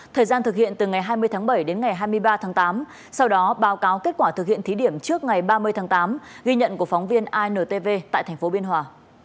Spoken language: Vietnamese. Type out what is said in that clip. thời gian thực hiện từ ngày hai mươi tháng bảy đến ngày hai mươi ba tháng tám sau đó báo cáo kết quả thực hiện thí điểm trước ngày ba mươi tháng tám ghi nhận của phóng viên intv tại tp biên hòa